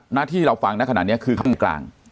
หน้าที่เราฟังในขณะเนี่ยคือคำภิกษ์ข้าง